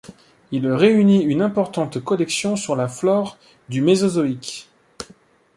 Il réunit une importante collection sur la flore du Mésozoïque.